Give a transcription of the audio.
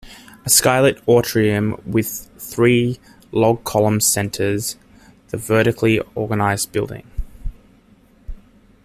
A skylit atrium with three log columns centers the vertically organized building.